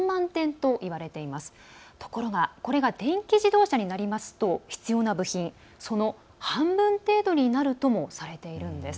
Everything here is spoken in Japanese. ところがこれが電気自動車になりますと必要な部品、その半分程度になるともされているんです。